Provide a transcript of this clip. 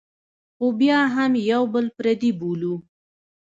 خو بیا هم یو بل پردي بولو.